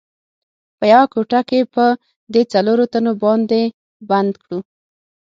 په یوه کوټه کې په دې څلورو تنو باندې بند کړو.